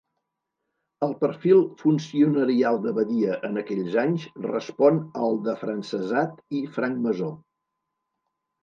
El perfil funcionarial de Badia en aquells anys respon al d'afrancesat i francmaçó.